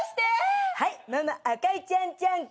はいママ赤いちゃんちゃんこ。